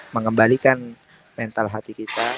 mengembalikan mental hati kita